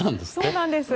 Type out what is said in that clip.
そうなんです。